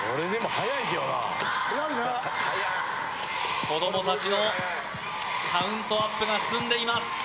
速いな速っ７８子ども達のカウントアップが進んでいます